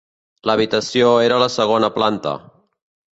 L'habitació era a la segona planta.